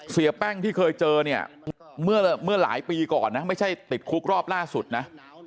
เสียแป้งที่เคยเจอเนี่ยเมื่อหลายปีก่อนนะไม่ใช่ติดคุกรอบล่าสุดนะ